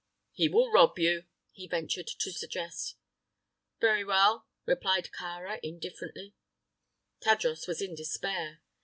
"He will rob you," he ventured to suggest. "Very well," replied Kāra, indifferently. Tadros was in despair.